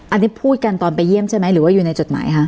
อันนี้พูดกันตอนไปเยี่ยมใช่ไหมหรือว่าอยู่ในจดหมายคะ